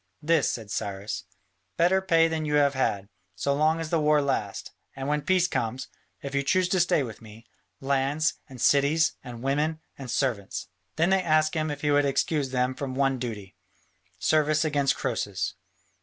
"This," said Cyrus: "better pay than you have had, so long as the war lasts, and when peace comes, if you choose to stay with me, lands and cities and women and servants." Then they asked him if he would excuse them from one duty, service against Croesus.